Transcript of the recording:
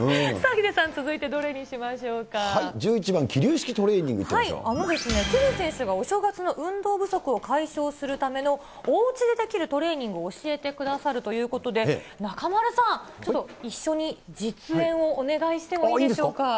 さあヒデさん、続いてどれに１１番、桐生式トレーニングあのですね、桐生選手がお正月の運動不足を解消するための、おうちでできるトレーニングを教えてくださるということで、中丸さん、ちょっと一緒に実演をお願いしてもいいでしょうか。